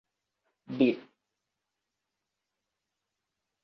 บิด